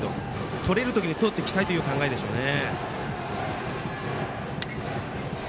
取れるときに取っていきたいという考えでしょうね。